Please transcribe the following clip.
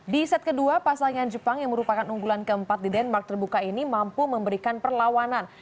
di set kedua pasangan jepang yang merupakan unggulan keempat di denmark terbuka ini mampu memberikan perlawanan